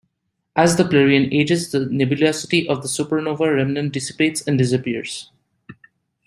As the plerion ages, the nebulosity of the supernova remnant dissipates and disappears.